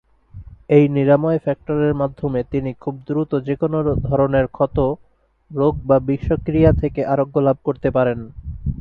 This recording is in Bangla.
এই নিরাময় ফ্যাক্টরের মাধ্যমে তিনি খুব দ্রুত যেকোন ধরনের ক্ষত, রোগ বা বিষক্রিয়া থেকে আরোগ্য লাভ করতে পারেন।